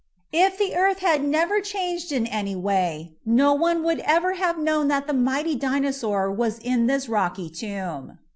If the earth had never changed in any way, no one would ever have known that the mighty Dinosaur was in this rocky tomb.